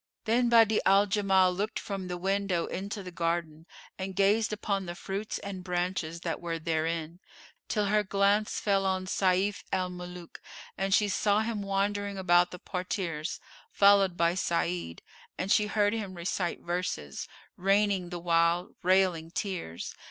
Then Badi'a al Jamal looked from the window into the garden and gazed upon the fruits and branches that were therein, till her glance fell on Sayf al Muluk, and she saw him wandering about the parterres, followed by Sa'id, and she heard him recite verses, raining the while railing tears.